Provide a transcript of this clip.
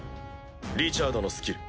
リチャードのスキル。